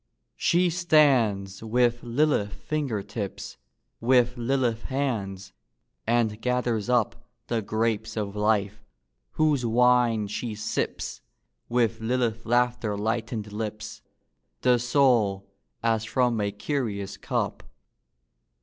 She stands with Lilith finger tips, With Lilith hands; and gathers up The grapes of life; whose wine she sips, With Lilith laughter lightened lips, The soul, as from a curious cup.